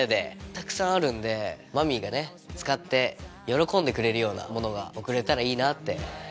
たくさんあるんでマミーがね使って喜んでくれるような物が贈れたらいいなって。